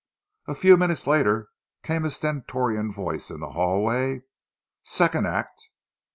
A few minutes later came a stentorian voice in the hallway: "Second act!"